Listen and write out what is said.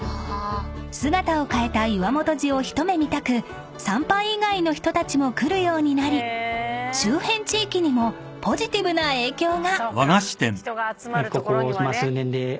［姿を変えた岩本寺を一目見たく参拝以外の人たちも来るようになり周辺地域にもポジティブな影響が］